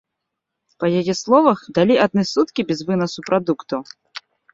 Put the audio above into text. Па яе словах, далі адны суткі без вынасу прадуктаў.